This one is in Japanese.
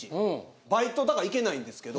バイトだから行けないんですけど。